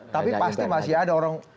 tapi pasti masih ada orang